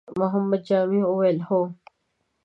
محمد جامي وويل: هو!